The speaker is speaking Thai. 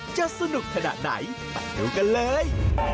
จะสนุกขนาดไหนไปดูกันเลย